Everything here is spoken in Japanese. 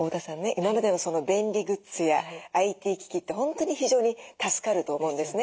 今までの便利グッズやＩＴ機器って本当に非常に助かると思うんですね。